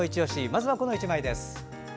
まずはこの１枚です。